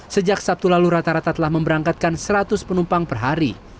sejak sabtu lalu rata rata telah memberangkatkan seratus penumpang per hari